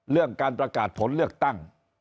เรื่องการประกาศผลเลือกตั้ง